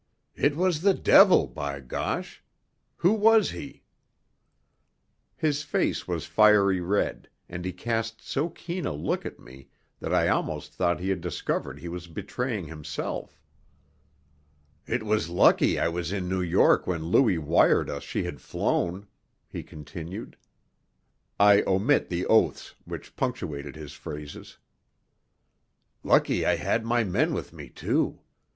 "It was the devil, by gosh! Who was he?" His face was fiery red, and he cast so keen a look at me that I almost thought he had discovered he was betraying himself. "It was lucky I was in New York when Louis wired us she had flown," he continued I omit the oaths which punctuated his phrases. "Lucky I had my men with me, too.